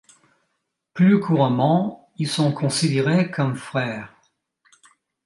Plus couramment, ils sont considérés comme frères.